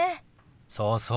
そうそう。